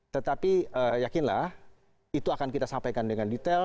tetapi yakinlah itu akan kita sampaikan dengan detail